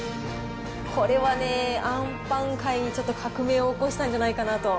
これはね、あんパン界にちょっと革命を起こしたんじゃないかなと。